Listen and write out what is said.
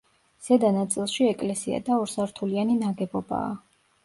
ზედა ნაწილში ეკლესია და ორსართულიანი ნაგებობაა.